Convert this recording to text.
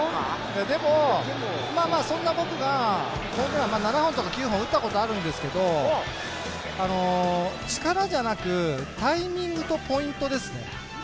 でも、そんな僕がホームラン、７本とか９本打ったことがあるんですけど、力じゃなく、タイミングとポイントですね。